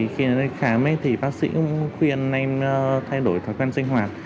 khi đến đây khám thì bác sĩ cũng khuyên em thay đổi thói quen sinh hoạt